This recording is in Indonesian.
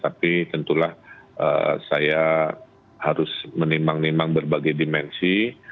tapi tentulah saya harus menimang nimang berbagai dimensi